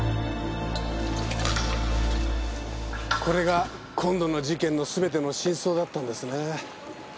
これが今度の事件の全ての真相だったんですね。